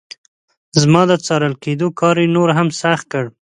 زما د څارل کېدلو کار یې نور هم سخت کړ.